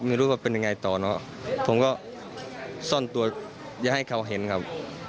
ไม่รู้ว่าเป็นยังไงต่อเนอะผมก็ซ่อนตัวอย่าให้เขาเห็นครับ